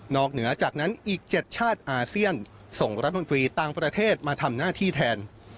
เหนือจากนั้นอีก๗ชาติอาเซียนส่งรัฐมนตรีต่างประเทศมาทำหน้าที่แทน